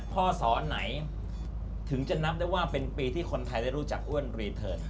สอไหนถึงจะนับได้ว่าเป็นปีที่คนไทยได้รู้จักอ้วนรีเทิร์น